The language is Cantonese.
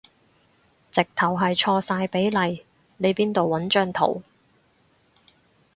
直頭係錯晒比例，你邊度搵張圖